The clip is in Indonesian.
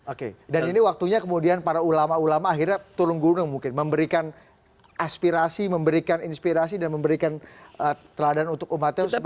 oke dan ini waktunya kemudian para ulama ulama akhirnya turun gunung mungkin memberikan aspirasi memberikan inspirasi dan memberikan teladan untuk umatnya